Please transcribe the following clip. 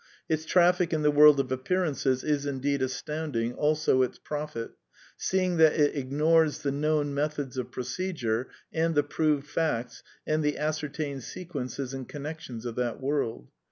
Its traffic in the world of appearances is, indeed, astounding, also its profit ; seeing that it ignores the known methods of pro cedure, and the proved facts, and the ascertained sequences and connections of that world.